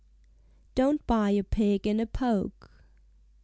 "_Don't Buy a Pig in a Poke.